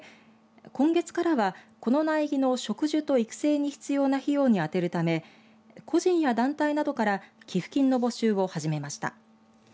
今月からは、この苗木の植樹と育成に必要な費用にあてるため個人や団体などから寄付金の募集を始めました。